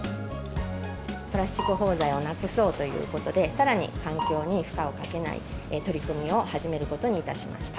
プラスチック包材をなくそうということで、さらに環境に負荷をかけない取り組みを始めることにいたしました。